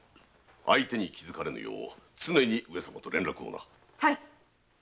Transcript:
気づかれぬよう常に上様と連絡をな。